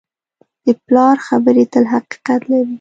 د پلار خبرې تل حقیقت لري.